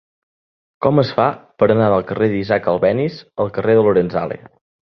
Com es fa per anar del carrer d'Isaac Albéniz al carrer de Lorenzale?